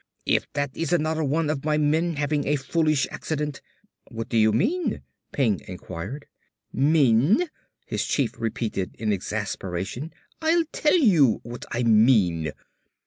"If that is another one of my men having a foolish accident " "What do you mean?" Peng inquired. "Mean?" his chief repeated in exasperation. "I'll tell you what I mean.